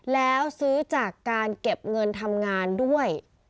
แล้วซื้อจากการเก็บเงินทำงานด้วย